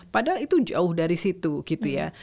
padahal itu jauh dari situ gitu ya